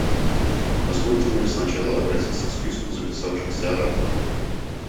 Позвольте мне сначала обратиться к списку записавшихся ораторов.